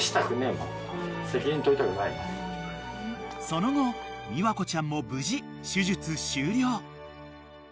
［その後ミワコちゃんも無事手術終了］